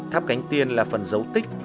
tháp cánh tiên là phần dấu tích